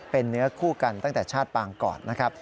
เป็นเนื้อคู่กันตั้งแต่ชาติปางกอดนะครับ